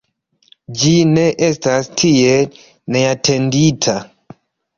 Ĝi ne estas tiel neatendita.